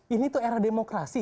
ini tuh era demokrasi